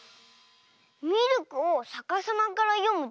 ミルクをさかさまからよむとくるみ。